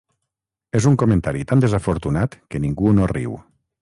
És un comentari tan desafortunat que ningú no riu.